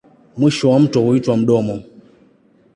Mwisho wa mto huitwa mdomo.